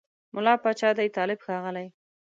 مُلا پاچا دی طالب ښاغلی